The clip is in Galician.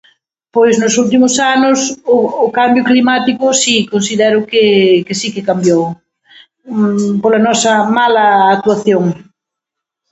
Pois nos últimos anos o o cambio climático si, considero que, que si que cambiou pola nosa mala actuación.